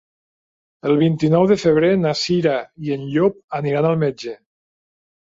El vint-i-nou de febrer na Cira i en Llop aniran al metge.